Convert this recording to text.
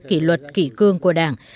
kỷ luật kỷ cương của đảng